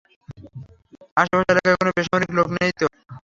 আশেপাশের এলাকায় কোনো বেসামরিক লোক নেই তো?